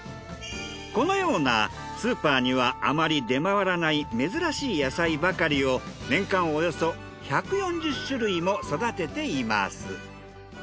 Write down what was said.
このようなスーパーにはあまり出回らない珍しい野菜ばかりを年間およそ１４０種類も育てています。